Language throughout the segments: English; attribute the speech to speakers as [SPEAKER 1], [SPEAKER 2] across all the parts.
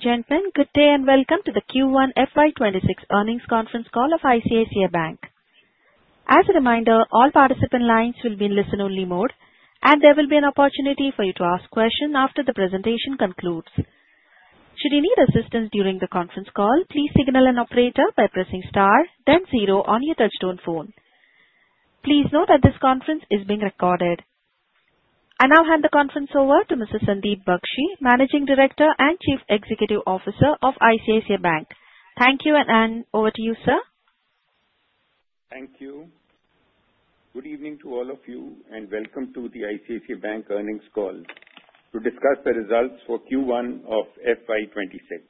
[SPEAKER 1] And gentlemen, good day and welcome to the Q1 FY 26 earnings conference call of ICICI Bank. As a reminder, all participant lines will be in listen-only mode, and there will be an opportunity for you to ask questions after the presentation concludes. Should you need assistance during the conference call, please signal an operator by pressing star then zero on your touch-tone phone. Please note that this conference is being recorded. I now hand the conference over to Mr. Sandeep Bakhshi, Managing Director and Chief Executive Officer of ICICI Bank. Thank you, and over to you, sir.
[SPEAKER 2] Thank you. Good evening to all of you, and welcome to the ICICI Bank earnings call to discuss the results for Q1 of FY 2026.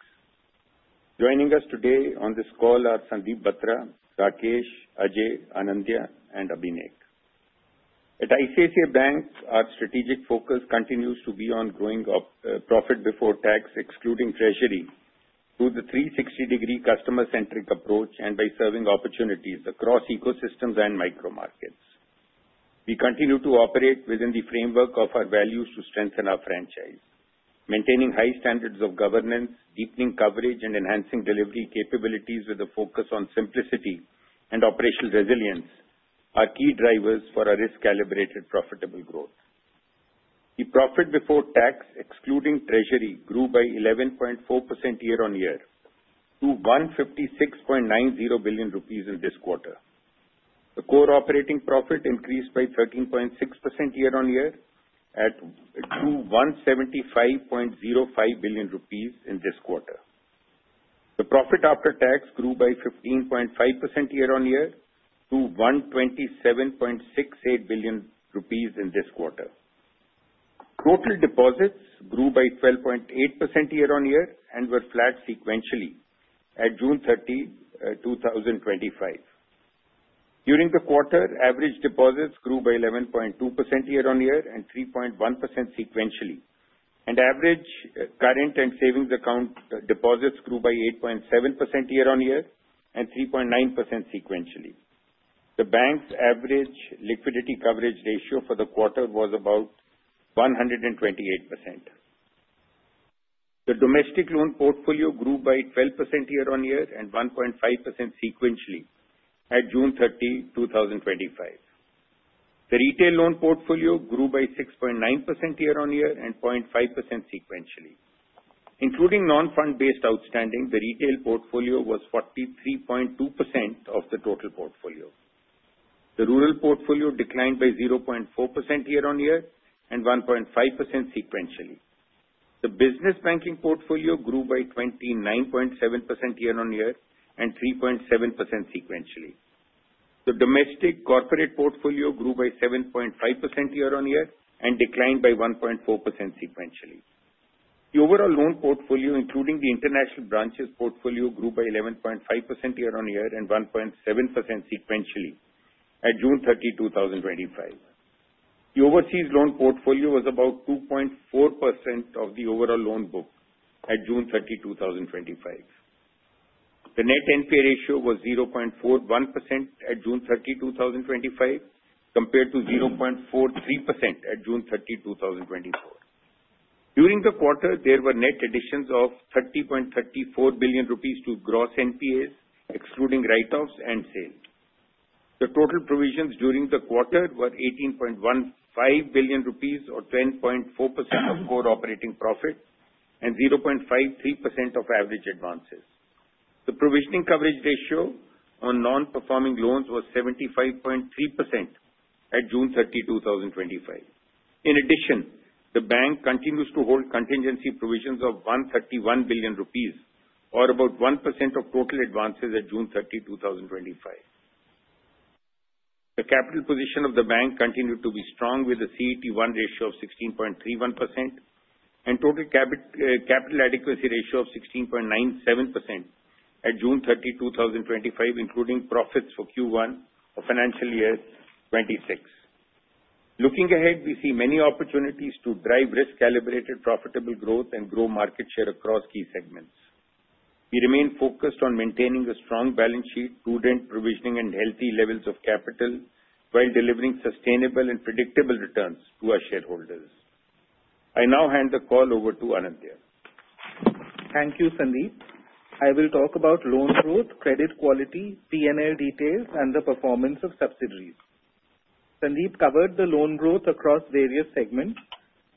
[SPEAKER 2] Joining us today on this call are Sandeep Batra, Rakesh Jha, Ajay, Anindya, and Abhishek. At ICICI Bank, our strategic focus continues to be on growing profit before tax, excluding treasury, through the 360-degree customer-centric approach and by serving opportunities across ecosystems and micro-market. We continue to operate within the framework of our values to strengthen our franchise. Maintaining high standards of governance, deepening coverage, and enhancing delivery capabilities with a focus on simplicity and operational resilience are key drivers for our risk-calibrated, profitable growth. The profit before tax, excluding treasury, grew by 11.4% year-on-year to 156.90 billion rupees in this quarter. The core operating profit increased by 13.6% year-on-year to 175.05 billion in this quarter. The profit after tax grew by 15.5% year-on-year to 127.68 billion rupees in this quarter. Total deposits grew by 12.8% year-on-year and were flat sequentially at June 30, 2025. During the quarter, average deposits grew by 11.2% year-on-year and 3.1% sequentially, and average current and savings account deposits grew by 8.7% year-on-year and 3.9% sequentially. The bank's average liquidity coverage ratio for the quarter was about 128%. The domestic loan portfolio grew by 12% year-on-year and 1.5% sequentially at June 30, 2025. The retail loan portfolio grew by 6.9% year-on-year and 0.5% sequentially. Including non-fund-based outstanding, the retail portfolio was 43.2% of the total portfolio. The rural portfolio declined by 0.4% year-on-year and 1.5% sequentially. The business banking portfolio grew by 29.7% year-on-year and 3.7% sequentially. The domestic corporate portfolio grew by 7.5% year-on-year and declined by 1.4% sequentially. The overall loan portfolio, including the international branches portfolio, grew by 11.5% year-on-year and 1.7% sequentially at June 30, 2025. The overseas loan portfolio was about 2.4% of the overall loan book at June 30, 2025. The net NPA ratio was 0.41% at June 30, 2025, compared to 0.43% at June 30, 2024. During the quarter, there were net additions of 30.34 billion rupees to gross NPAs, excluding write-offs and sales. The total provisions during the quarter were 18.15 billion rupees, or 10.4% of core operating profit and 0.53% of average advances. The provisioning coverage ratio on non-performing loans was 75.3% at June 30, 2025. In addition, the bank continues to hold contingency provisions of 131 billion rupees, or about 1% of total advances at June 30, 2025. The capital position of the bank continued to be strong with a CET1 ratio of 16.31% and total capital adequacy ratio of 16.97% at June 30, 2025, including profits for Q1 of financial year 2026. Looking ahead, we see many opportunities to drive risk-calibrated, profitable growth and grow market share across key segments. We remain focused on maintaining a strong balance sheet, prudent provisioning, and healthy levels of capital while delivering sustainable and predictable returns to our shareholders. I now hand the call over to Anindya.
[SPEAKER 3] Thank you, Sandeep. I will talk about loan growth, credit quality, P&L details, and the performance of subsidiaries. Sandeep covered the loan growth across various segments.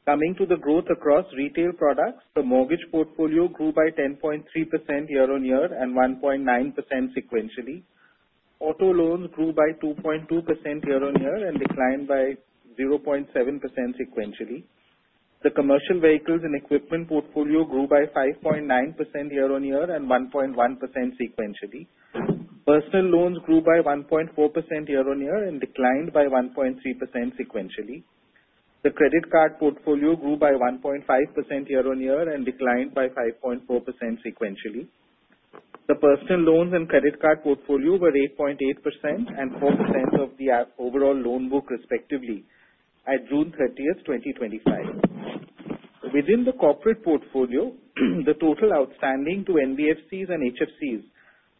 [SPEAKER 3] Coming to the growth across retail products, the mortgage portfolio grew by 10.3% year-on-year and 1.9% sequentially. Auto loans grew by 2.2% year-on-year and declined by 0.7% sequentially. The commercial vehicles and equipment portfolio grew by 5.9% year-on-year and 1.1% sequentially. Personal loans grew by 1.4% year-on-year and declined by 1.3% sequentially. The credit card portfolio grew by 1.5% year-on-year and declined by 5.4% sequentially. The personal loans and credit card portfolio were 8.8% and 4% of the overall loan book, respectively, at June 30th, 2025. Within the corporate portfolio, the total outstanding to NBFCs and HFCs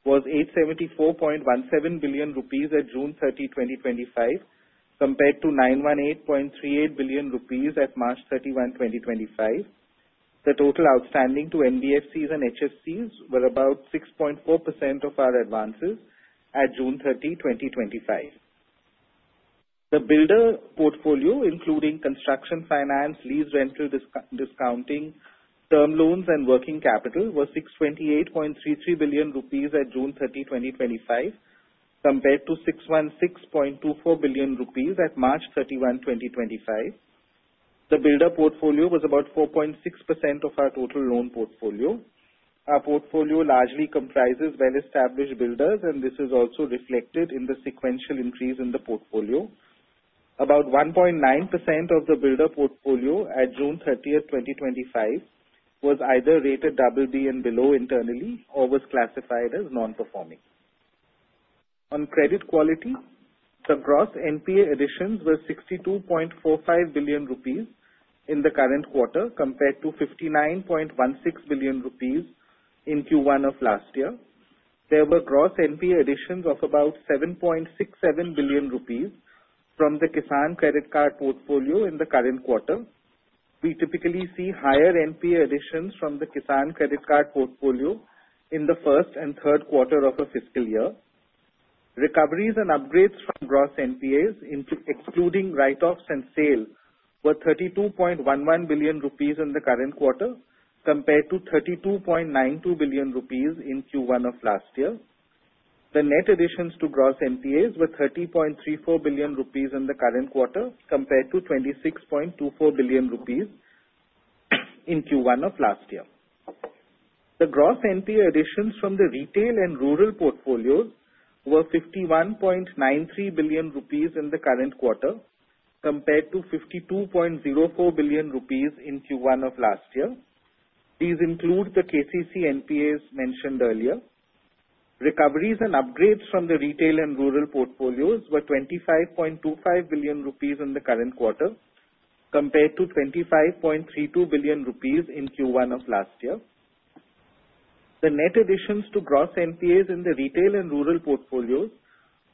[SPEAKER 3] was 874.17 billion rupees at June 30, 2025, compared to 918.38 billion rupees at March 31, 2025. The total outstanding to NBFCs and HFCs was about 6.4% of our advances at June 30, 2025. The builder portfolio, including construction finance, lease rental discounting, term loans, and working capital, was 628.33 billion rupees at June 30, 2025, compared to 616.24 billion rupees at March 31, 2025. The builder portfolio was about 4.6% of our total loan portfolio. Our portfolio largely comprises well-established builders, and this is also reflected in the sequential increase in the portfolio. About 1.9% of the builder portfolio at June 30th, 2025, was either rated BB and below internally or was classified as non-performing. On credit quality, the gross NPA additions were 62.45 billion rupees in the current quarter compared to 59.16 billion rupees in Q1 of last year. There were gross NPA additions of about 7.67 billion rupees from the Kisan Credit Card portfolio in the current quarter. We typically see higher NPA additions from the Kisan Credit Card portfolio in the first and third quarter of a fiscal year. Recoveries and upgrades from gross NPAs, excluding write-offs and sales, were 32.11 billion rupees in the current quarter compared to 32.92 billion rupees in Q1 of last year. The net additions to gross NPAs were 30.34 billion rupees in the current quarter compared to 26.24 billion rupees in Q1 of last year. The gross NPA additions from the retail and rural portfolios were 51.93 billion rupees in the current quarter compared to 52.04 billion rupees in Q1 of last year. These include the KCC NPAs mentioned earlier. Recoveries and upgrades from the retail and rural portfolios were 25.25 billion rupees in the current quarter compared to 25.32 billion rupees in Q1 of last year. The net additions to gross NPA in the retail and rural portfolios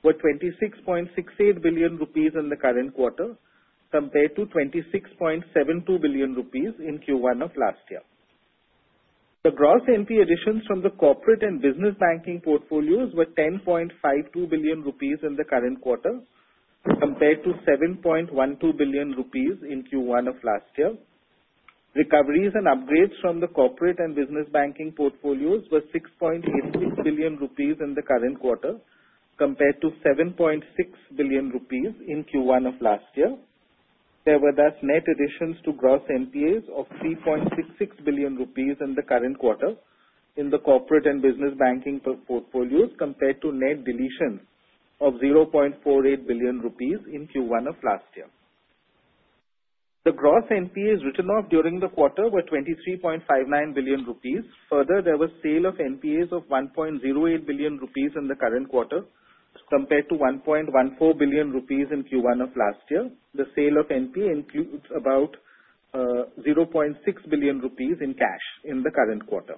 [SPEAKER 3] were 26.68 billion rupees in the current quarter compared to 26.72 billion rupees in Q1 of last year. The gross NPA additions from the corporate and business banking portfolios were 10.52 billion rupees in the current quarter compared to 7.12 billion rupees in Q1 of last year. Recoveries and upgrades from the corporate and business banking portfolios were 6.86 billion rupees in the current quarter compared to 7.6 billion rupees in Q1 of last year. There were thus net additions to gross NPAs of 3.66 billion rupees in the current quarter in the corporate and business banking portfolios compared to net deletions of 0.48 billion rupees in Q1 of last year. The gross NPAs written off during the quarter were 23.59 billion rupees. Further, there was sale of NPAs of 1.08 billion rupees in the current quarter compared to 1.14 billion rupees in Q1 of last year. The sale of NPA includes about 0.6 billion rupees in cash in the current quarter.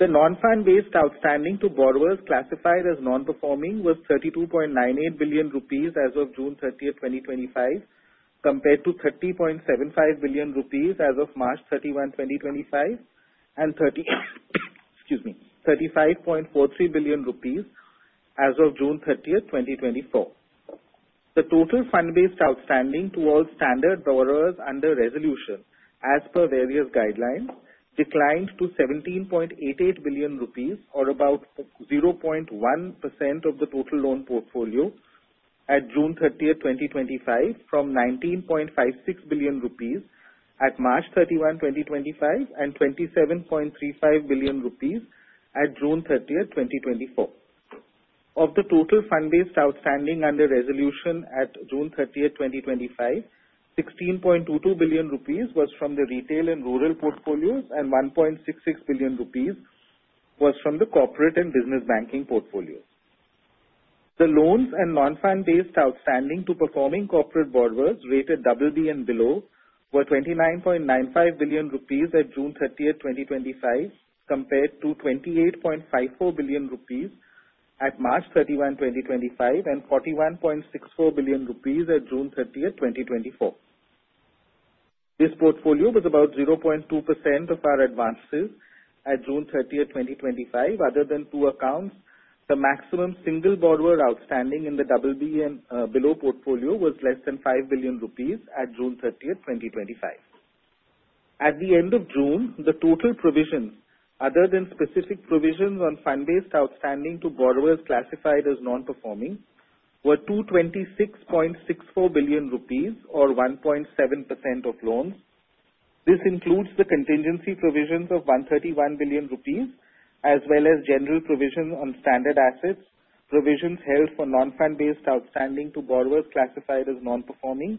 [SPEAKER 3] The non-fund-based outstanding to borrowers classified as non-performing was 32.98 billion rupees as of June 30, 2025, compared to 30.75 billion rupees as of March 31, 2025, and 35.43 billion rupees as of June 30th, 2024. The total fund-based outstanding to all standard borrowers under resolution, as per various guidelines, declined to 17.88 billion rupees, or about 0.1% of the total loan portfolio, at June 30th, 2025, from 19.56 billion rupees at March 31, 2025, and 27.35 billion rupees at June 30th, 2024. Of the total fund-based outstanding under resolution at June 30th, 2025, 16.22 billion rupees was from the retail and rural portfolios, and 1.66 billion rupees was from the corporate and business banking portfolios. The loans and non-fund-based outstanding to performing corporate borrowers rated BB and below were 29.95 billion rupees at June 30th, 2025, compared to 28.54 billion rupees at March 31, 2025, and 41.64 billion rupees at June 30th, 2024. This portfolio was about 0.2% of our advances at June 30th, 2025. Other than two accounts, the maximum single borrower outstanding in the BB and below portfolio was less than 5 billion rupees at June 30th, 2025. At the end of June, the total provisions, other than specific provisions on fund-based outstanding to borrowers classified as non-performing, were 226.64 billion rupees, or 1.7% of loans. This includes the contingency provisions of 131 billion rupees, as well as general provisions on standard assets, provisions held for non-fund-based outstanding to borrowers classified as non-performing,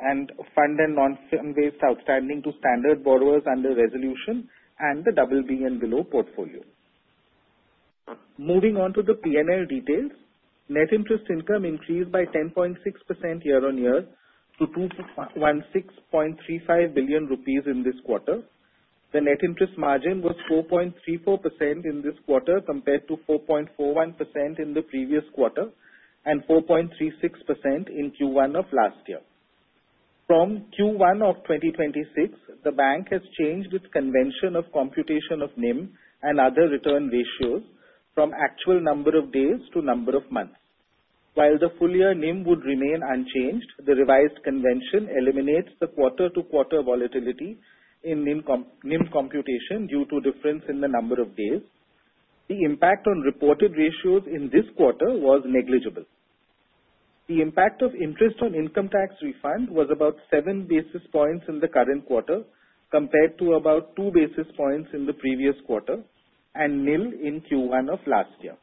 [SPEAKER 3] and fund and non-fund-based outstanding to standard borrowers under resolution and the BB and below portfolio. Moving on to the P&L details, net interest income increased by 10.6% year-on-year to 216.35 billion rupees in this quarter. The net interest margin was 4.34% in this quarter compared to 4.41% in the previous quarter and 4.36% in Q1 of last year. From Q1 of 2026, the bank has changed its convention of computation of NIM and other return ratios from actual number of days to number of months. While the full-year NIM would remain unchanged, the revised convention eliminates the quarter-to-quarter volatility in NIM computation due to difference in the number of days. The impact on reported ratios in this quarter was negligible. The impact of interest on income tax refund was about 7 basis points in the current quarter compared to about 2 basis points in the previous quarter and NIM in Q1 of last year.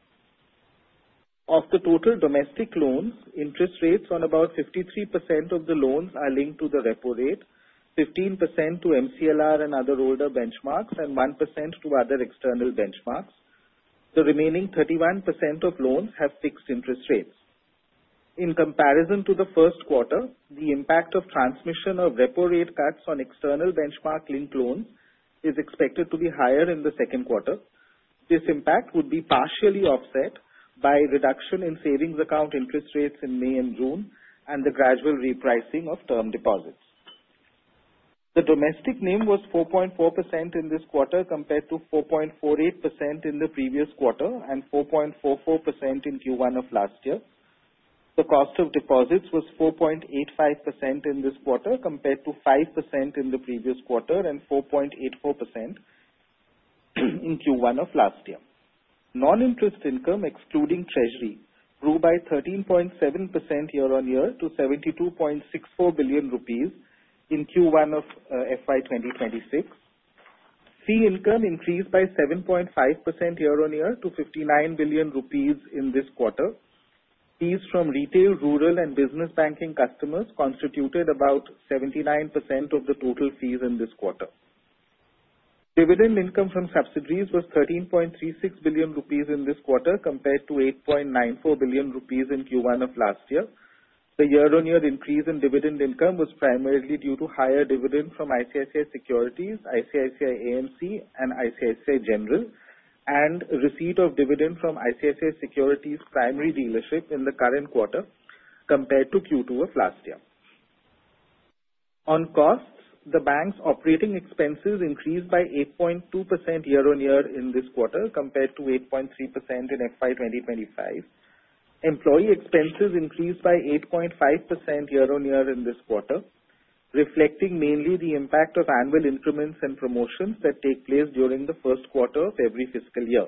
[SPEAKER 3] Of the total domestic loans, interest rates on about 53% of the loans are linked to the repo rate, 15% to MCLR and other older benchmarks, and 1% to other external benchmarks. The remaining 31% of loans have fixed interest rates. In comparison to the first quarter, the impact of transmission of repo rate cuts on external benchmark-linked loans is expected to be higher in the second quarter. This impact would be partially offset by reduction in savings account interest rates in May and June and the gradual repricing of term deposits. The domestic NIM was 4.4% in this quarter compared to 4.48% in the previous quarter and 4.44% in Q1 of last year. The cost of deposits was 4.85% in this quarter compared to 5% in the previous quarter and 4.84% in Q1 of last year. Non-interest income, excluding treasury, grew by 13.7% year-on-year to 72.64 billion rupees in Q1 of FY 2026. Fee income increased by 7.5% year-on-year to 59 billion rupees in this quarter. Fees from retail, rural, and business banking customers constituted about 79% of the total fees in this quarter. Dividend income from subsidiaries was 13.36 billion rupees in this quarter compared to 8.94 billion rupees in Q1 of last year. The year-on-year increase in dividend income was primarily due to higher dividends from ICICI Securities, ICICI AMC, and ICICI Lombard, and receipt of dividends from ICICI Securities' primary dealership in the current quarter compared to Q2 of last year. On costs, the bank's operating expenses increased by 8.2% year-on-year in this quarter compared to 8.3% in FY 2025. Employee expenses increased by 8.5% year-on-year in this quarter, reflecting mainly the impact of annual increments and promotions that take place during the first quarter of every fiscal year.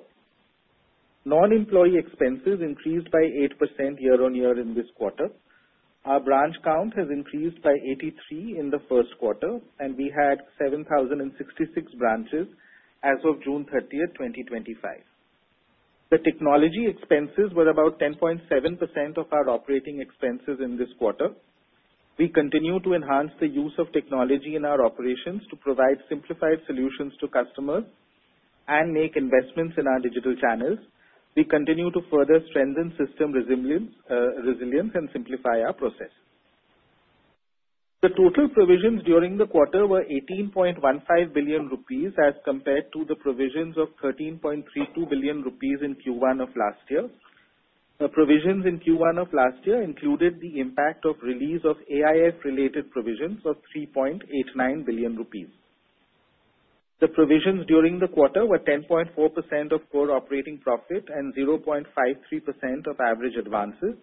[SPEAKER 3] Non-employee expenses increased by 8% year-on-year in this quarter. Our branch count has increased by 83 in the first quarter, and we had 7,066 branches as of June 30th, 2025. The technology expenses were about 10.7% of our operating expenses in this quarter. We continue to enhance the use of technology in our operations to provide simplified solutions to customers and make investments in our digital channels. We continue to further strengthen system resilience and simplify our process. The total provisions during the quarter were 18.15 billion rupees as compared to the provisions of 13.32 billion rupees in Q1 of last year. The provisions in Q1 of last year included the impact of release of AIF-related provisions of 3.89 billion rupees. The provisions during the quarter were 10.4% of core operating profit and 0.53% of average advances.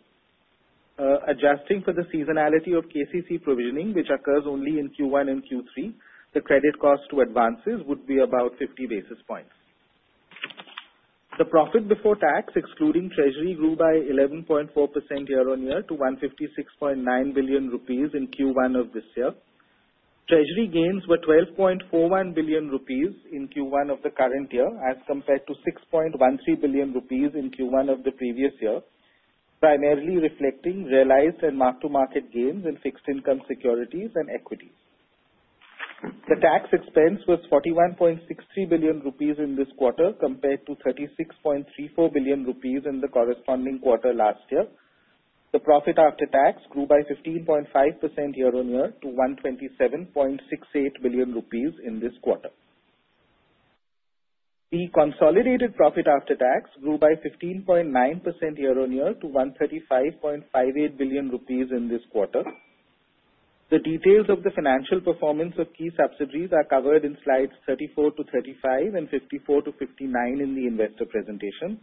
[SPEAKER 3] Adjusting for the seasonality of KCC provisioning, which occurs only in Q1 and Q3, the credit cost to advances would be about 50 basis points. The profit before tax, excluding treasury, grew by 11.4% year-on-year to 156.9 billion rupees in Q1 of this year. Treasury gains were 12.41 billion rupees in Q1 of the current year as compared to 6.13 billion rupees in Q1 of the previous year, primarily reflecting realized and mark-to-market gains in fixed income securities and equities. The tax expense was 41.63 billion rupees in this quarter compared to 36.34 billion rupees in the corresponding quarter last year. The profit after tax grew by 15.5% year-on-year to 127.68 billion rupees in this quarter. The consolidated profit after tax grew by 15.9% year-on-year to 135.58 billion rupees in this quarter. The details of the financial performance of key subsidiaries are covered in slides 34-35 and 54-59 in the investor presentation.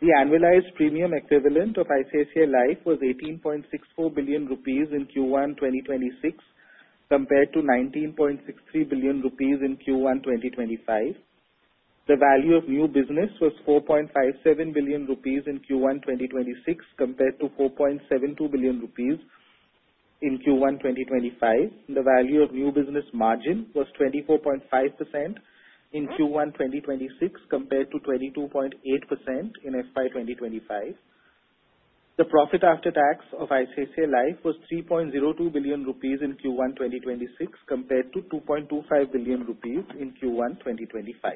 [SPEAKER 3] The annualized premium equivalent of ICICI Life was 18.64 billion rupees in Q1 2026 compared to 19.63 billion rupees in Q1 2025. The value of new business was 4.57 billion rupees in Q1 2026 compared to 4.72 billion rupees in Q1 2025. The value of new business margin was 24.5% in Q1 2026 compared to 22.8% in FY 2025. The profit after tax of ICICI Life was 3.02 billion rupees in Q1 2026 compared to 2.25 billion rupees in Q1 2025.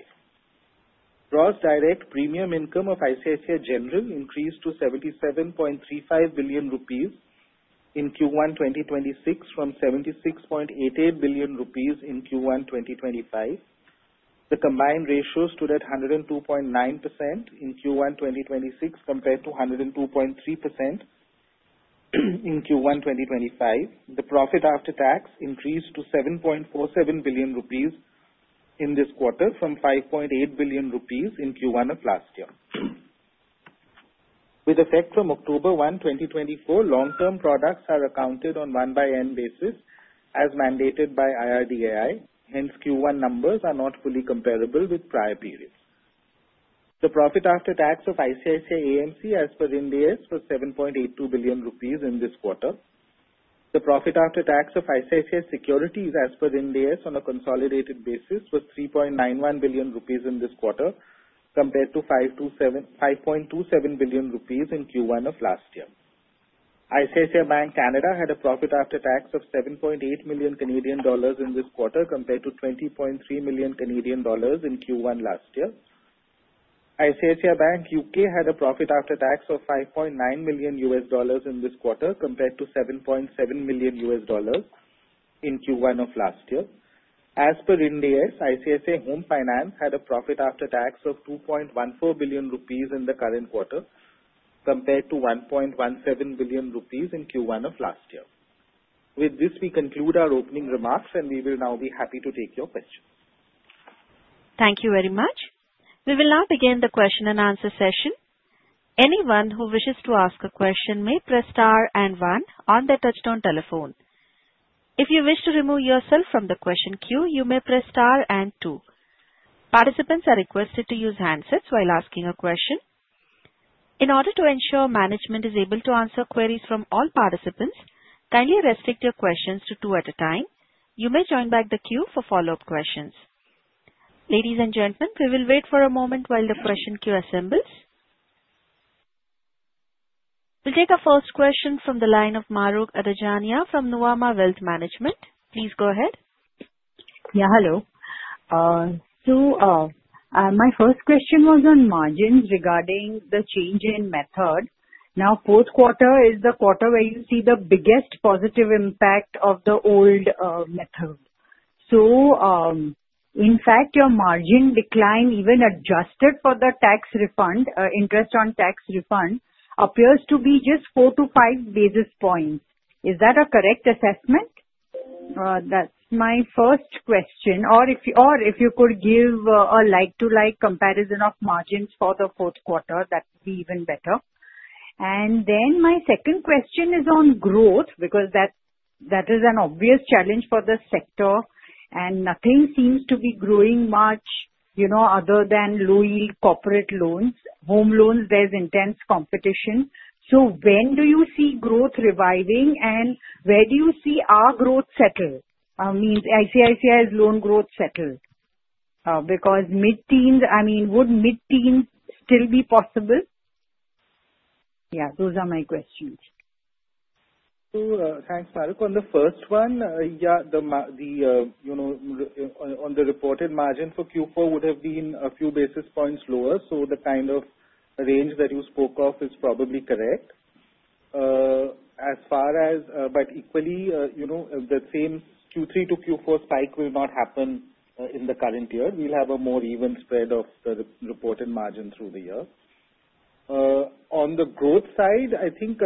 [SPEAKER 3] Gross direct premium income of ICICI General increased to 77.35 billion rupees in Q1 2026 from 76.88 billion rupees in Q1 2025. The combined ratio stood at 102.9% in Q1 2026 compared to 102.3% in Q1 2025. The profit after tax increased to 7.47 billion rupees in this quarter from 5.8 billion rupees in Q1 of last year. With effect from October 1, 2024, long-term products are accounted on one-by-end basis as mandated by IRDAI. Hence, Q1 numbers are not fully comparable with prior periods. The profit after tax of ICICI AMC as per NDS was 7.82 billion rupees in this quarter. The profit after tax of ICICI Securities as per NDS on a consolidated basis was 3.91 billion rupees in this quarter compared to 5.27 billion rupees in Q1 of last year. ICICI Bank Canada had a profit after tax of 7.8 million Canadian dollars in this quarter compared to 20.3 million Canadian dollars in Q1 last year. ICICI Bank UK had a profit after tax of $5.9 million in this quarter compared to $7.7 million in Q1 of last year. As per NDS, ICICI Home Finance had a profit after tax of 2.14 billion rupees in the current quarter compared to 1.17 billion rupees in Q1 of last year. With this, we conclude our opening remarks, and we will now be happy to take your questions.
[SPEAKER 1] Thank you very much. We will now begin the question and answer session. Anyone who wishes to ask a question may press star and one on the touchstone telephone. If you wish to remove yourself from the question queue, you may press star and two. Participants are requested to use handsets while asking a question. In order to ensure management is able to answer queries from all participants, kindly restrict your questions to two at a time. You may join back the queue for follow-up questions. Ladies and gentlemen, we will wait for a moment while the question queue assembles. We'll take our first question from the line of Mahrukh Adajania from Nuvama Wealth Management. Please go ahead.
[SPEAKER 4] Yeah, hello. So. My first question was on margins regarding the change in method. Now, fourth quarter is the quarter where you see the biggest positive impact of the old method. So. In fact, your margin decline, even adjusted for the tax refund, interest on tax refund, appears to be just four to five basis points. Is that a correct assessment? That's my first question. Or if you could give a like-to-like comparison of margins for the fourth quarter, that would be even better. And then my second question is on growth because that is an obvious challenge for the sector, and nothing seems to be growing much other than low-yield corporate loans. Home loans, there's intense competition. So when do you see growth reviving, and where do you see our growth settle? I mean, ICICI loan growth settle? Because mid-teens, I mean, would mid-teens still be possible? Yeah, those are my questions.
[SPEAKER 3] So thanks, Mahrukh. On the first one, yeah, the. On the reported margin for Q4 would have been a few basis points lower. So the kind of range that you spoke of is probably correct. As far as, but equally, the same Q3 to Q4 spike will not happen in the current year. We'll have a more even spread of the reported margin through the year. On the growth side, I think.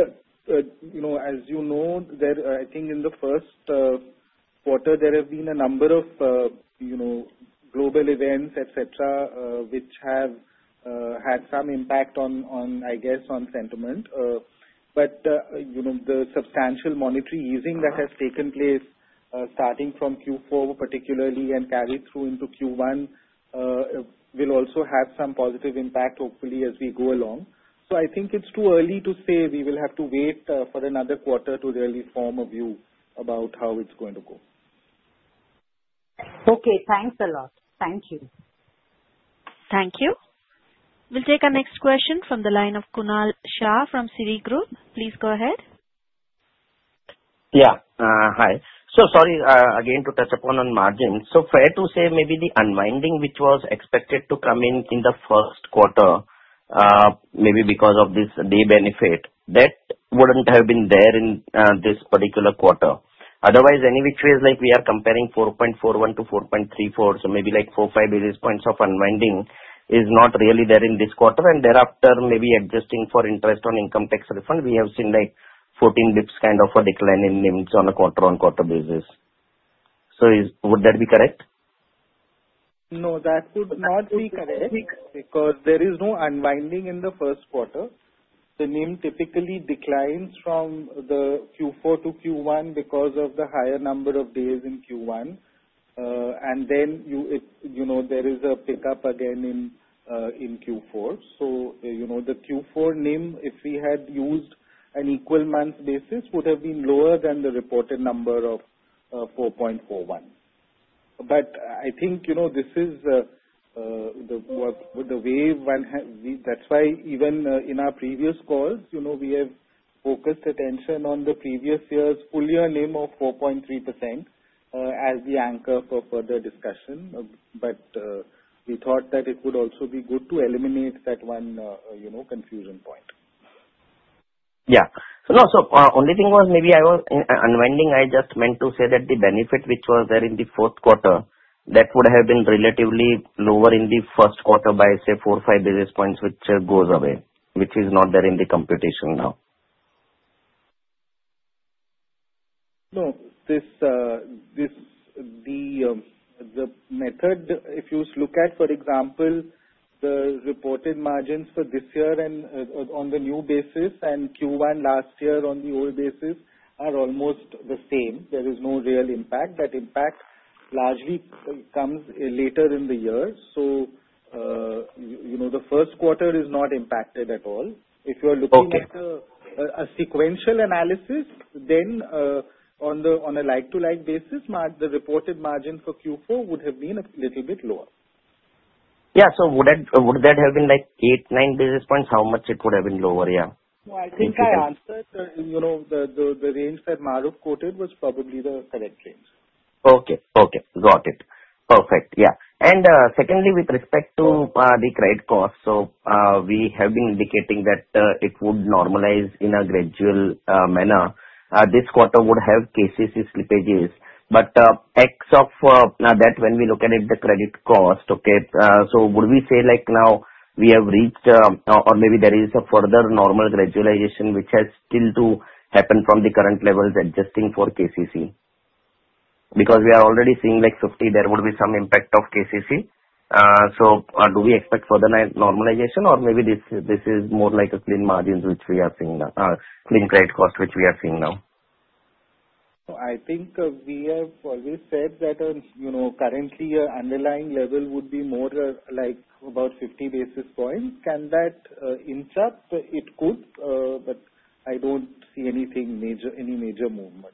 [SPEAKER 3] As you know, I think in the first. Quarter, there have been a number of. Global events, etc., which have. Had some impact on, I guess, on sentiment. But. The substantial monetary easing that has taken place, starting from Q4 particularly and carried through into Q1. Will also have some positive impact, hopefully, as we go along. So I think it's too early to say we will have to wait for another quarter to really form a view about how it's going to go.
[SPEAKER 4] Okay, thanks a lot. Thank you.
[SPEAKER 1] Thank you. We'll take our next question from the line of Kunal Shah from Citigroup. Please go ahead.
[SPEAKER 5] Yeah, hi. So sorry, again, to touch upon on margins. So fair to say maybe the unwinding, which was expected to come in in the first quarter. Maybe because of this day benefit, that wouldn't have been there in this particular quarter. Otherwise, any which way is like we are comparing 4.41 to 4.34. So maybe like 4, 5 basis points of unwinding is not really there in this quarter. And thereafter, maybe adjusting for interest on income tax refund, we have seen like 14 basis points kind of a decline in NIMs on a quarter-on-quarter basis. So would that be correct?
[SPEAKER 3] No, that would not be correct because there is no unwinding in the first quarter. The NIM typically declines from the Q4 to Q1 because of the higher number of days in Q1. There is a pickup again in Q4. The Q4 NIM, if we had used an equal month basis, would have been lower than the reported number of 4.41. I think this is the way one has. That is why even in our previous calls, we have focused attention on the previous year's full year NIM of 4.3% as the anchor for further discussion. We thought that it would also be good to eliminate that one confusion point. Yeah.
[SPEAKER 5] No, so only thing was maybe I was unwinding, I just meant to say that the benefit which was there in the fourth quarter, that would have been relatively lower in the first quarter by, say, four or five basis points, which goes away, which is not there in the computation now.
[SPEAKER 3] No. The method, if you look at, for example, the reported margins for this year on the new basis and Q1 last year on the old basis are almost the same. There is no real impact. That impact largely comes later in the year. The first quarter is not impacted at all. If you are looking at a sequential analysis, then on a like-to-like basis, the reported margin for Q4 would have been a little bit lower.
[SPEAKER 5] Yeah, so would that have been like 8-9 basis points, how much it would have been lower, yeah?
[SPEAKER 3] I think I answered. The range that Mahrukh quoted was probably the correct range.
[SPEAKER 5] Okay, okay. Got it. Perfect. Yeah. Secondly, with respect to the credit cost, we have been indicating that it would normalize in a gradual manner. This quarter would have KCC slippages. But excluding that, when we look at it, the credit cost, okay, so would we say like now we have reached, or maybe there is a further normal gradualization, which has still to happen from the current levels adjusting for KCC? Because we are already seeing like 50, there would be some impact of KCC. Do we expect further normalization, or maybe this is more like a clean margin which we are seeing now, clean credit cost which we are seeing now?
[SPEAKER 3] I think we have always said that currently, your underlying level would be more like about 50 basis points. Can that interrupt? It could, but I do not see anything major, any major movement.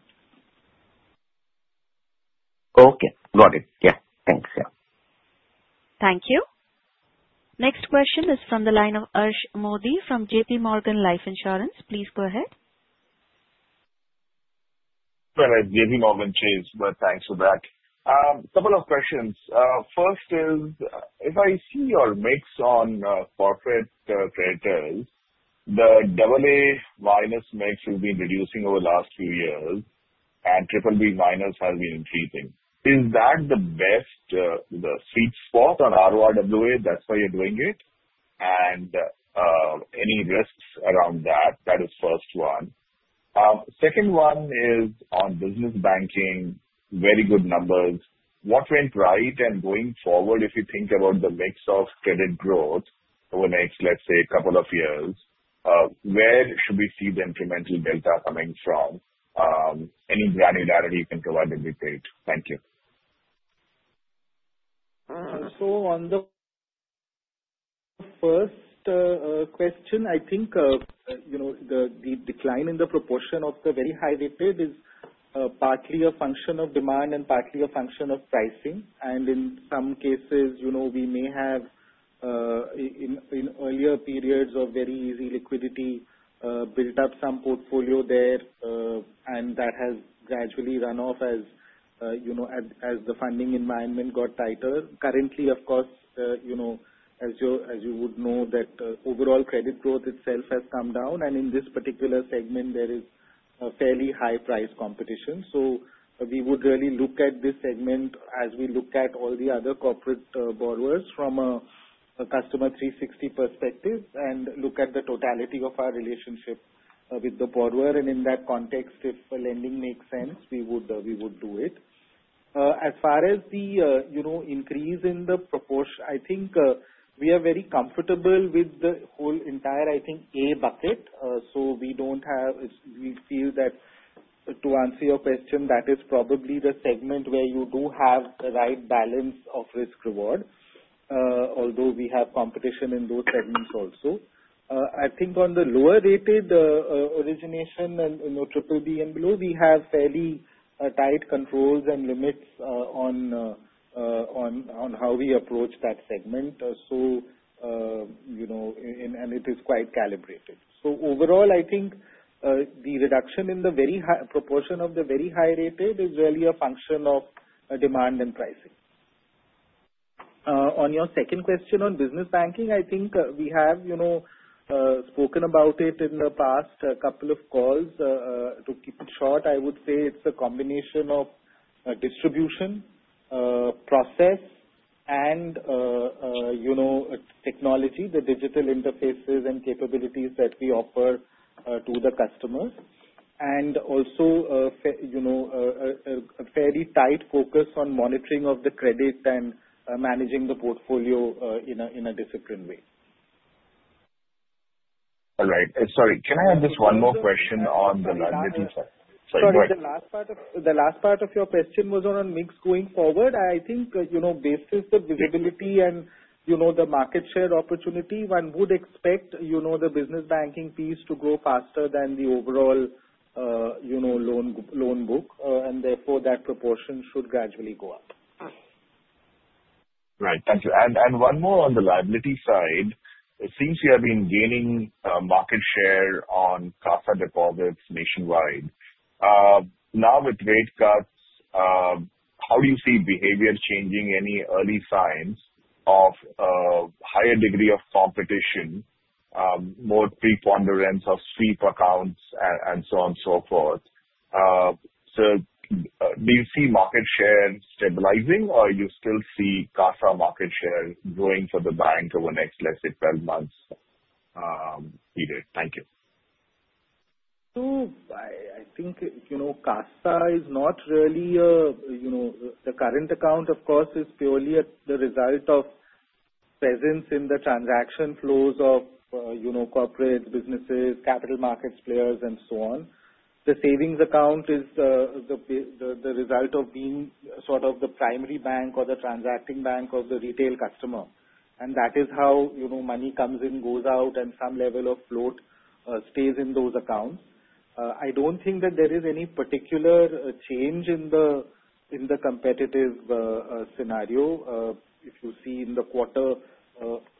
[SPEAKER 5] Okay. Got it. Yeah. Thanks. Yeah.
[SPEAKER 1] Thank you. Next question is from the line of Harsh Modi from JPMorgan. Please go ahead.
[SPEAKER 6] JPMorgan Chase, thanks for that. Couple of questions. First is, if I see your mix on corporate creditors, the AA- mix has been reducing over the last few years, and BBB- has been increasing. Is that the best sweet spot on RORWA? That's why you're doing it? Any risks around that? That is first one. Second one is on business banking, very good numbers. What went right? Going forward, if you think about the mix of credit growth over the next, let's say, couple of years, where should we see the incremental delta coming from? Any granularity you can provide and dictate. Thank you.
[SPEAKER 3] On the first question, I think the decline in the proportion of the very high rated is partly a function of demand and partly a function of pricing. In some cases, we may have, in earlier periods of very easy liquidity, built up some portfolio there, and that has gradually run off as the funding environment got tighter. Currently, of course, as you would know, overall credit growth itself has come down. In this particular segment, there is a fairly high price competition. We would really look at this segment as we look at all the other corporate borrowers from a customer 360 perspective and look at the totality of our relationship with the borrower. In that context, if lending makes sense, we would do it. As far as the increase in the proportion, I think we are very comfortable with the whole entire, I think, A bucket. We don't have, we feel that, to answer your question, that is probably the segment where you do have the right balance of risk-reward. Although we have competition in those segments also. On the lower rated origination and BBB and below, we have fairly tight controls and limits on how we approach that segment. It is quite calibrated. Overall, I think the reduction in the proportion of the very high rated is really a function of demand and pricing. On your second question on business banking, I think we have spoken about it in the past couple of calls. To keep it short, I would say it's a combination of distribution, process, and technology, the digital interfaces and capabilities that we offer to the customers, and also a fairly tight focus on monitoring of the credit and managing the portfolio in a disciplined way.
[SPEAKER 6] All right. Sorry, can I have just one more question on the liability side?
[SPEAKER 3] Sorry, the last part of your question was on mix going forward. I think, based on the visibility and the market share opportunity, one would expect the business banking piece to grow faster than the overall loan book, and therefore, that proportion should gradually go up.
[SPEAKER 6] Right. Thank you. One more on the liability side. It seems you have been gaining market share on current account and savings account deposits nationwide. Now, with rate cuts, how do you see behavior changing? Any early signs of a higher degree of competition, more preponderance of sweep accounts, and so on and so forth? Do you see market share stabilizing, or do you still see CASA market share growing for the bank over the next, let's say, 12 months? Thank you.
[SPEAKER 3] I think CASA is not really a—the current account, of course, is purely the result of presence in the transaction flows of corporate businesses, capital market players, and so on. The savings account is the result of being sort of the primary bank or the transacting bank of the retail customer, and that is how money comes in, goes out, and some level of float stays in those accounts. I do not think that there is any particular change in the competitive scenario. If you see in the quarter,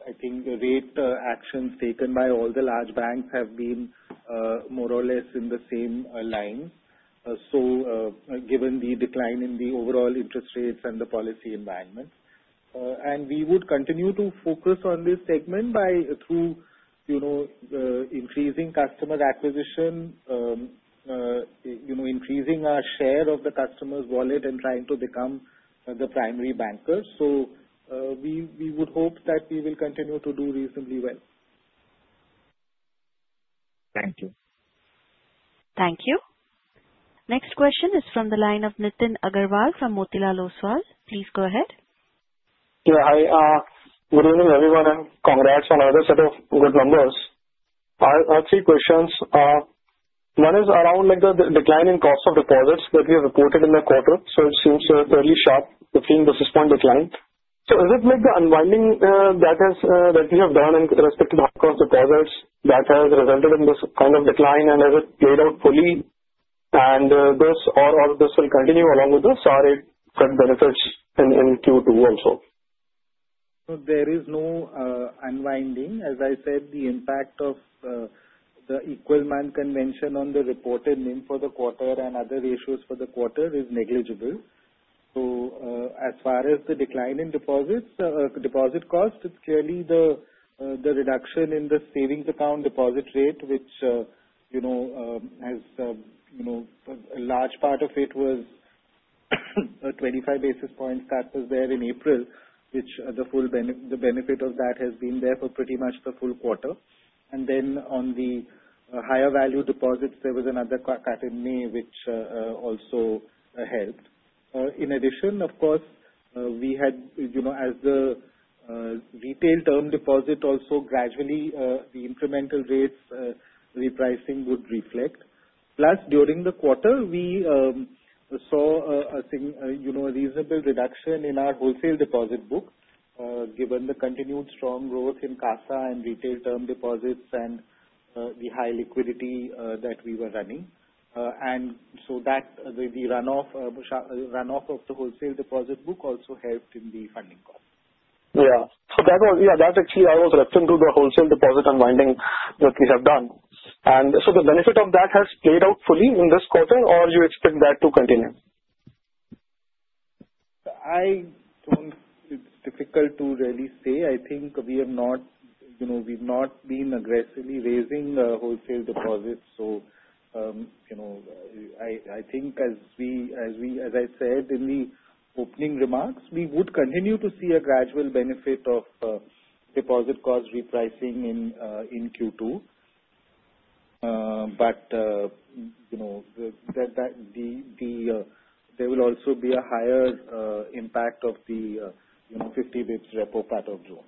[SPEAKER 3] I think the rate actions taken by all the large banks have been more or less in the same line. Given the decline in the overall interest rates and the policy environment, we would continue to focus on this segment by increasing customer acquisition, increasing our share of the customer's wallet, and trying to become the primary banker. We would hope that we will continue to do reasonably well.
[SPEAKER 6] Thank you.
[SPEAKER 1] Thank you. Next question is from the line of Nitin Aggarwal from Motilal Oswal. Please go ahead.
[SPEAKER 7] Good evening, everyone, and congrats on another set of good numbers. I have three questions. One is around the decline in cost of deposits that we have reported in the quarter. It seems fairly sharp, 15 basis point decline. Is it like the unwinding that we have done in respect of, of course, deposits that has resulted in this kind of decline? Has it played out fully, or will this continue along with benefits in Q2 also?
[SPEAKER 3] There is no unwinding. As I said, the impact of the equal month convention on the reported NIM for the quarter and other issues for the quarter is negligible. As far as the decline in deposit cost, it is clearly the reduction in the savings account deposit rate, which has—a large part of it was 25 basis points that was there in April, which the benefit of that has been there for pretty much the full quarter. Then on the higher value deposits, there was another cut in May, which also helped. In addition, of course, as the retail term deposit also gradually—the incremental rates repricing would reflect. Plus, during the quarter, we saw a reasonable reduction in our wholesale deposit book, given the continued strong growth in CASA and retail term deposits and the high liquidity that we were running. The runoff of the wholesale deposit book also helped in the funding cost.
[SPEAKER 7] That was—yeah, actually I was referring to the wholesale deposit unwinding that we have done. So the benefit of that has played out fully in this quarter, or do you expect that to continue?
[SPEAKER 3] It's difficult to really say. I think we have not been aggressively raising wholesale deposits. I think, as I said in the opening remarks, we would continue to see a gradual benefit of deposit cost repricing in Q2. There will also be a higher impact of the 50 basis points repo part of June.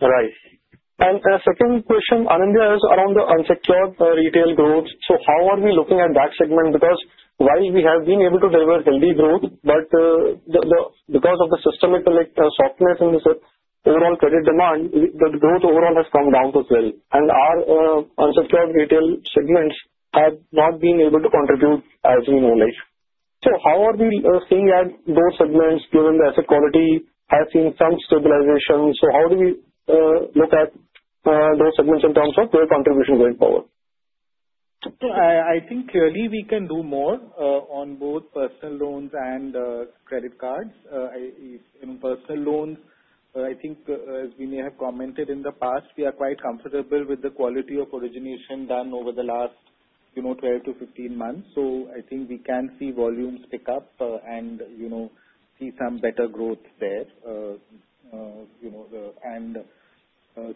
[SPEAKER 7] Right. Second question, Anindya, is around the unsecured retail growth. How are we looking at that segment? Because while we have been able to deliver healthy growth, because of the systemic softness in the overall credit demand, the growth overall has come down to 3. Our unsecured retail segments have not been able to contribute as we normally. How are we seeing at those segments, given the asset quality has seen some stabilization? How do we look at those segments in terms of their contribution going forward?
[SPEAKER 3] I think clearly we can do more on both personal loans and credit cards. In personal loans, I think, as we may have commented in the past, we are quite comfortable with the quality of origination done over the last 12-15 months. I think we can see volumes pick up and see some better growth there.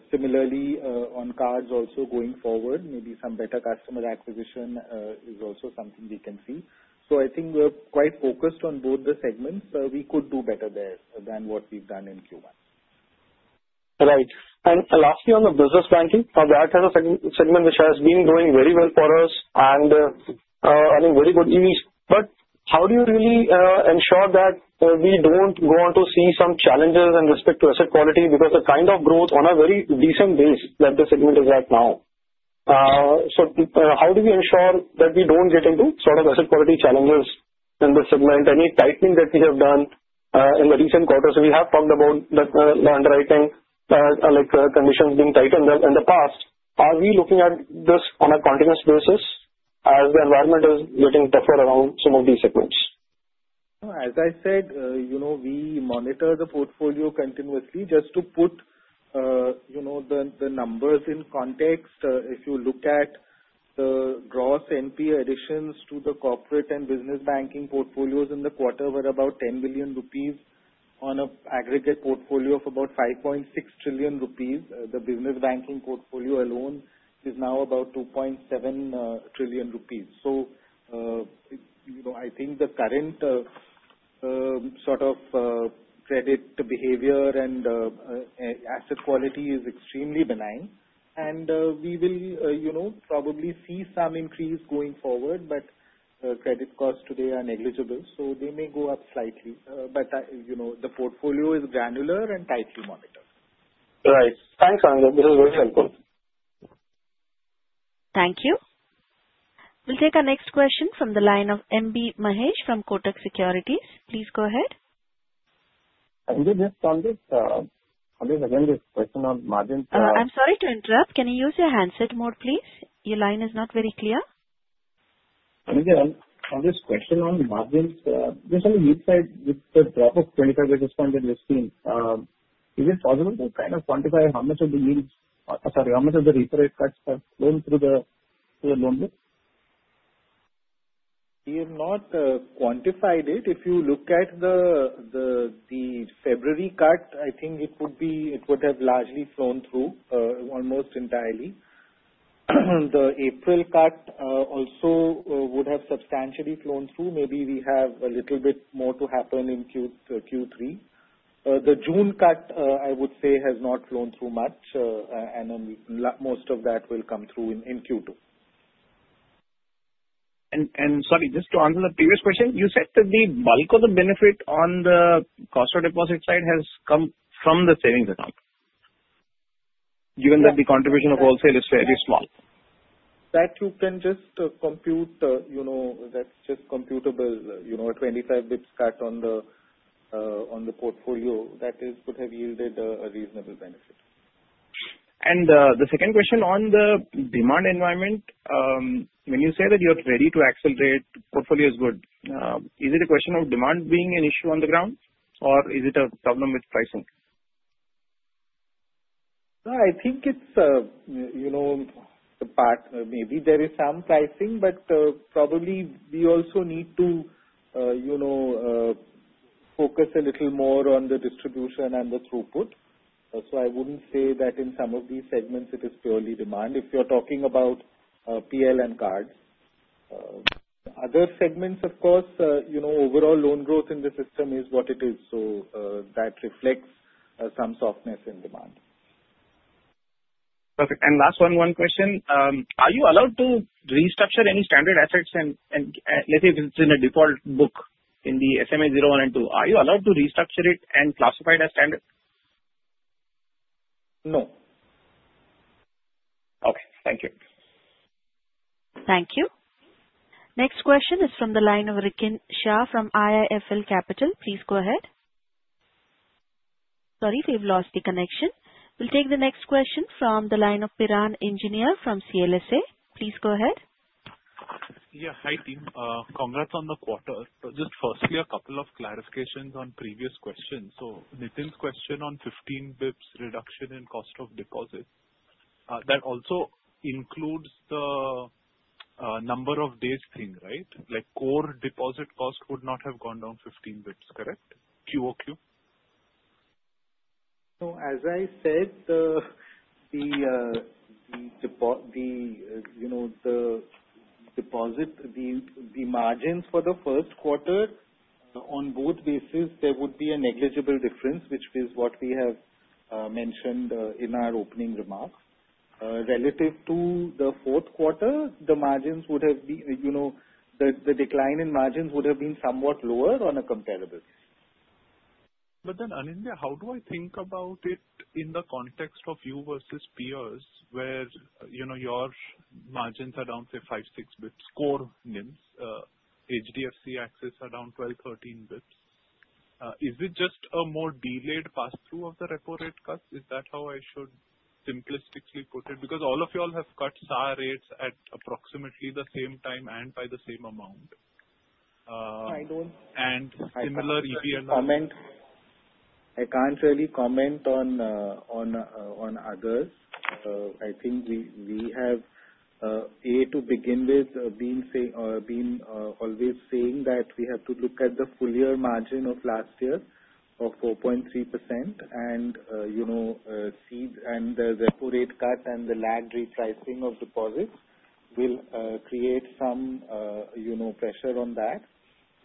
[SPEAKER 3] Similarly, on cards also going forward, maybe some better customer acquisition is also something we can see. I think we're quite focused on both the segments. We could do better there than what we've done in Q1.
[SPEAKER 7] Right. Lastly, on the business banking, that has a segment which has been going very well for us and earning very good yields. How do you really ensure that we don't go on to see some challenges in respect to asset quality? Because the kind of growth on a very decent base that the segment is at now. How do we ensure that we don't get into sort of asset quality challenges in this segment? Any tightening that we have done in the recent quarters? We have talked about the underwriting conditions being tightened in the past. Are we looking at this on a continuous basis as the environment is getting tougher around some of these segments?
[SPEAKER 3] As I said, we monitor the portfolio continuously. Just to put the numbers in context, if you look at the gross NPA additions to the corporate and business banking portfolios in the quarter, they were about 10 billion rupees on an aggregate portfolio of about 5.6 trillion rupees. The business banking portfolio alone is now about 2.7 trillion rupees. I think the current sort of credit behavior and asset quality is extremely benign. We will probably see some increase going forward, but credit costs today are negligible. They may go up slightly, but the portfolio is granular and tightly monitored.
[SPEAKER 7] Right. Thanks, Anindya. This is very helpful.
[SPEAKER 1] Thank you. We'll take our next question from the line of MB Mahesh from Kotak Securities. Please go ahead.
[SPEAKER 8] Anindya, just on this, again, this question on margins.
[SPEAKER 1] I'm sorry to interrupt. Can you use your handset mode, please? Your line is not very clear.
[SPEAKER 8] Anindya, on this question on margins, there's a yield side with the drop of 25 basis points that we've seen. Is it possible to kind of quantify how much of the yields—sorry, how much of the retail cuts have flown through the loan book?
[SPEAKER 3] We have not quantified it. If you look at the February cut, I think it would have largely flown through almost entirely. The April cut also would have substantially flown through. Maybe we have a little bit more to happen in Q3. The June cut, I would say, has not flown through much. Most of that will come through in Q2.
[SPEAKER 8] Sorry, just to answer the previous question, you said that the bulk of the benefit on the cost deposit side has come from the savings account? Given that the contribution of wholesale is fairly small.
[SPEAKER 3] That you can just compute. That's just computable, a 25 basis points cut on the portfolio that would have yielded a reasonable benefit.
[SPEAKER 8] The second question on the demand environment. When you say that you're ready to accelerate, portfolio is good. Is it a question of demand being an issue on the ground, or is it a problem with pricing?
[SPEAKER 3] I think it's the part. Maybe there is some pricing, but probably we also need to focus a little more on the distribution and the throughput. I wouldn't say that in some of these segments it is purely demand. If you're talking about PL and cards. Other segments, of course, overall loan growth in the system is what it is. That reflects some softness in demand.
[SPEAKER 8] Perfect. Last one, one question. Are you allowed to restructure any standard assets? Let's say if it's in a default book in the SMA 0,1 and 2, are you allowed to restructure it and classify it as standard?
[SPEAKER 3] No.
[SPEAKER 8] Okay. Thank you.
[SPEAKER 1] Thank you. Next question is from the line of Rikin Shah from IIFL Capital. Please go ahead. Sorry, we've lost the connection. We'll take the next question from the line of Piran Engineer from CLSA. Please go ahead.
[SPEAKER 9] Yeah. Hi, team. Congrats on the quarter. Just firstly, a couple of clarifications on previous questions. Nitin's question on 15 basis points reduction in cost of deposits, that also includes the number of days thing, right? Core deposit cost would not have gone down 15 basis points, correct? QoQ?
[SPEAKER 3] As I said, the deposit margins for the first quarter, on both bases, there would be a negligible difference, which is what we have mentioned in our opening remarks. Relative to the fourth quarter, the margins would have been, the decline in margins would have been somewhat lower on a comparable basis.
[SPEAKER 9] But then, Anindya, how do I think about it in the context of you versus peers where your margins are down, say, 5-6 bps? Core NIMs, HDFC, Axis are down 12-13 bps. Is it just a more delayed pass-through of the repo rate cuts? Is that how I should simplistically put it? Because all of y'all have cut SAR rates at approximately the same time and by the same amount.
[SPEAKER 3] I do not.
[SPEAKER 9] And similar EPL.
[SPEAKER 3] I cannot really comment on others. I think we have, to begin with, been always saying that we have to look at the full year margin of last year of 4.3%. The repo rate cut and the lagged repricing of deposits will create some pressure on that.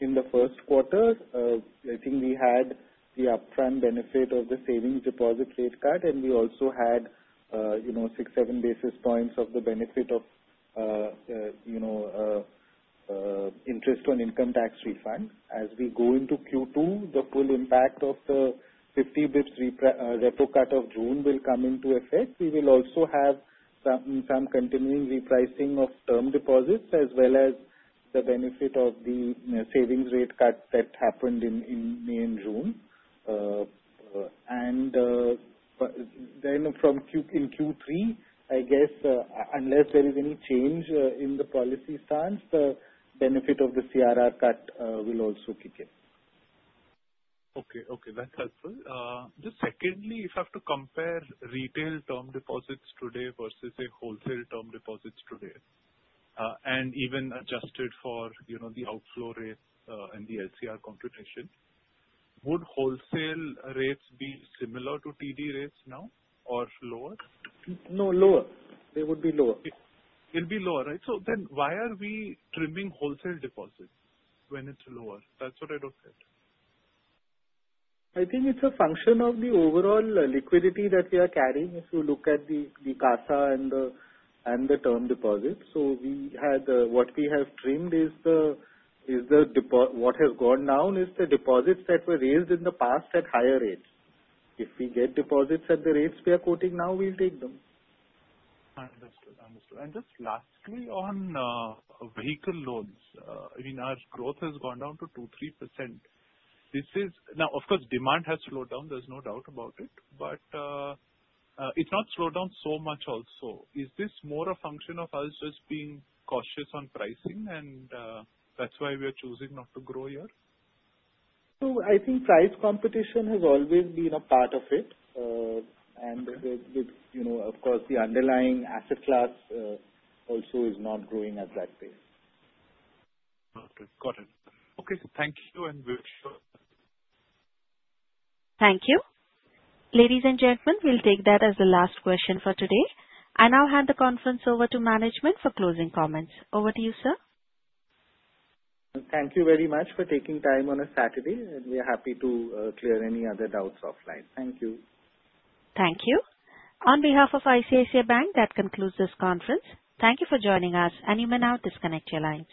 [SPEAKER 3] In the first quarter, I think we had the upfront benefit of the savings deposit rate cut, and we also had six-seven basis points of the benefit of interest on income tax refund. As we go into Q2, the full impact of the 50 basis points repo cut of June will come into effect. We will also have some continuing repricing of term deposits as well as the benefit of the savings rate cut that happened in May and June. Then in Q3, I guess, unless there is any change in the policy stance, the benefit of the CRR cut will also kick in.
[SPEAKER 9] Okay. Okay. That is helpful. Just secondly, if I have to compare retail term deposits today versus, say, wholesale term deposits today, and even adjusted for the outflow rate and the LCR computation, would wholesale rates be similar to TD rates now or lower?
[SPEAKER 3] No, lower. They would be lower.
[SPEAKER 9] They will be lower, right? So then why are we trimming wholesale deposits when it is lower? That is what I do not get.
[SPEAKER 3] I think it is a function of the overall liquidity that we are carrying if you look at the CAFA and the term deposits. So what we have trimmed is, what has gone down is the deposits that were raised in the past at higher rates. If we get deposits at the rates we are quoting now, we will take them.
[SPEAKER 9] Understood. Understood. And just lastly on vehicle loans, I mean, as growth has gone down to 2%-3%. Now, of course, demand has slowed down. There is no doubt about it. It is not slowed down so much also. Is this more a function of us just being cautious on pricing, and that is why we are choosing not to grow here?
[SPEAKER 3] I think price competition has always been a part of it. Of course, the underlying asset class also is not growing at that pace.
[SPEAKER 9] Okay. Got it. Okay. Thank you, Anindya.
[SPEAKER 1] Thank you. Ladies and gentlemen, we will take that as the last question for today. I now hand the conference over to management for closing comments. Over to you, sir.
[SPEAKER 3] Thank you very much for taking time on a Saturday, and we are happy to clear any other doubts offline. Thank you.
[SPEAKER 1] Thank you. On behalf of ICICI Bank, that concludes this conference. Thank you for joining us, and you may now disconnect your lines.